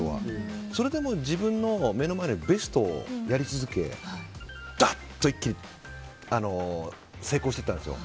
それでも自分の目の前のベストをやり続けばっと一気に成功していったんですよ。